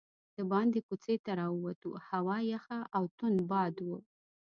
دباندې کوڅې ته راووتو، هوا یخه او توند باد و.